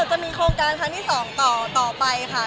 ก็จะมีโครงการทางแรก๒ต่อไปค่ะ